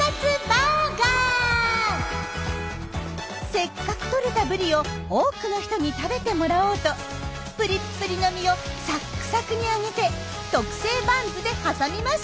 せっかくとれたブリを多くの人に食べてもらおうとぷりっぷりの身をさっくさくに揚げて特製バンズで挟みました。